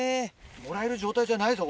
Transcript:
もらえる状態じゃないぞ